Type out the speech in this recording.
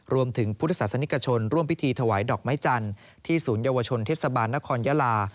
รวมถึงพุทธศาสนิกชนร่วมพิธีถวายดอกไม้จันทร์ที่ศูนยวชนเทศบาลนครยาลา